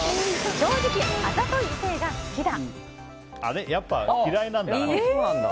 正直、あざとい異性が好きだ。